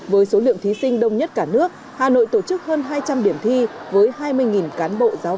với số lượng thí sinh đông nhất cả nước hà nội tổ chức hơn hai trăm linh điểm thi với hai mươi cán bộ giáo